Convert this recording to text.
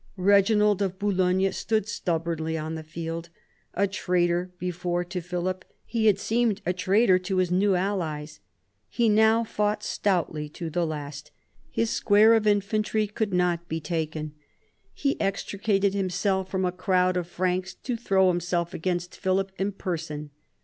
Eeginald of Boulogne stood stubbornly on the field. A traitor before to Philip, he had seemed a traitor to his new allies. He now fought stoutly to the last. His square of infantry could not be taken. He extricated himself from a crowd of Franks to throw himself against Philip in person.